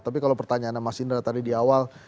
tapi kalau pertanyaannya mas indra tadi di awal